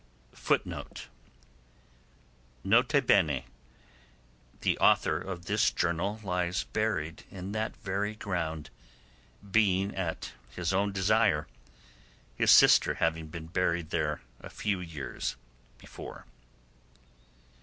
[N.B.—The author of this journal lies buried in that very ground, being at his own desire, his sister having been buried there a few years before.